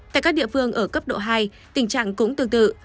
tại các địa phương ở cấp độ hai tình trạng cũng tương tự